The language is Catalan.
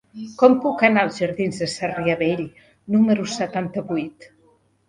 Com puc anar als jardins de Sarrià Vell número setanta-vuit?